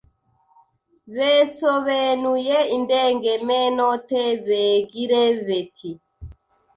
besobenuye indengemenote begire beti: